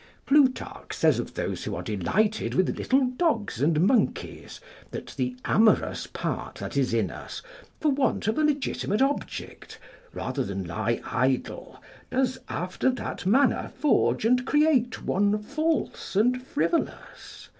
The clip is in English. Plutarch says of those who are delighted with little dogs and monkeys, that the amorous part that is in us, for want of a legitimate object, rather than lie idle, does after that manner forge and create one false and frivolous.